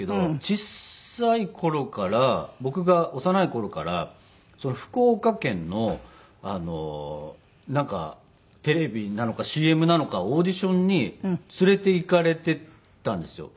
小さい頃から僕が幼い頃から福岡県のなんかテレビなのかＣＭなのかオーディションに連れて行かれてたんですよ。